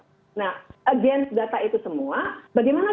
bagaimana cara kita mencapai